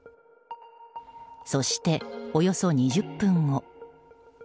そして、およそ２０分後。